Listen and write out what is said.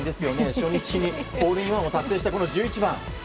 初日にホールインワンを達成したこの１１番。